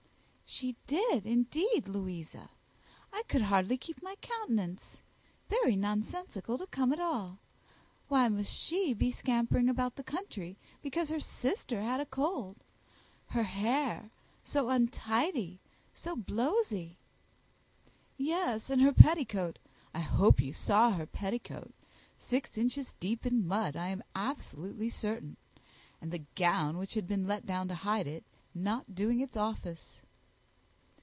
"She did indeed, Louisa. I could hardly keep my countenance. Very nonsensical to come at all! Why must she be scampering about the country, because her sister had a cold? Her hair so untidy, so blowzy!" "Yes, and her petticoat; I hope you saw her petticoat, six inches deep in mud, I am absolutely certain, and the gown which had been let down to hide it not doing its office."